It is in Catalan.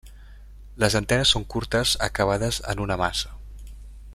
Les antenes són curtes acabades en una maça.